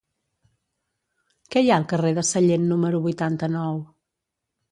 Què hi ha al carrer de Sallent número vuitanta-nou?